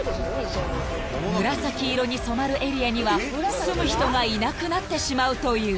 ［紫色に染まるエリアには住む人がいなくなってしまうという］